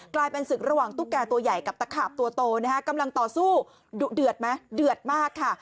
กลายเป็นศึกระหว่างตุ๊กแก่ตัวใหญ่กับตะขาบตัวโตนะฮะกำลังต่อสู้ดุเดือดไหมเดือดมากค่ะ